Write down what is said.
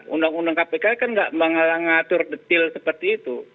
undang undang kpk kan nggak mengatur detail seperti itu